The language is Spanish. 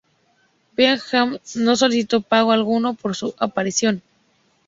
Van Halen no solicitó pago alguno por su aparición.